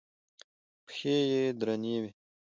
پښې يې درنې وې.